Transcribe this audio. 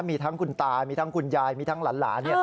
มีทั้งคุณตามีทั้งคุณยายมีทั้งหลาน